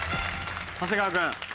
長谷川君。